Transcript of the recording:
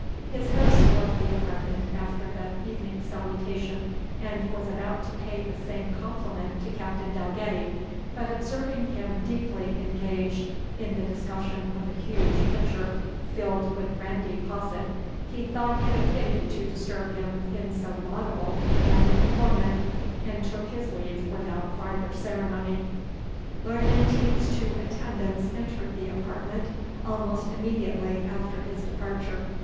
His host left the apartment after the evening salutation, and was about to pay the same compliment to Captain Dalgetty, but observing him deeply engaged in the discussion of a huge pitcher filled with brandy posset, he thought it a pity to disturb him in so laudable an employment, and took his leave without farther ceremony. Lord Menteith's two attendants entered the apartment almost immediately after his departure.